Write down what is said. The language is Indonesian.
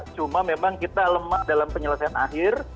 cuma memang kita lemah dalam penyelesaian akhir